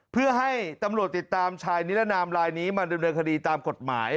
เพื่อให้ตำรวจติดตามชายนิรนามลายนี้มาดำเนินคดีตามกฎหมาย